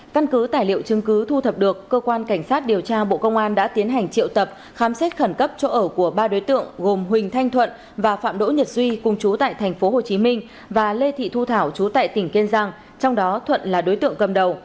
căn cứ tài liệu chứng cứ thu thập được cơ quan cảnh sát điều tra bộ công an đã tiến hành triệu tập khám xét khẩn cấp chỗ ở của ba đối tượng gồm huỳnh thanh thuận và phạm đỗ nhật duy cùng chú tại tp hcm và lê thị thu thảo chú tại tỉnh kiên giang trong đó thuận là đối tượng cầm đầu